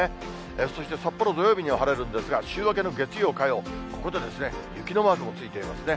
そして札幌、土曜日には晴れるんですが、週明けの月曜、火曜、ここで雪のマークもついていますね。